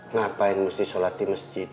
ngapain mesti sholat di masjid